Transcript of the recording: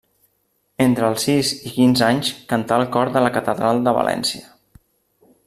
Entre els sis i quinze anys cantà al cor de la catedral de València.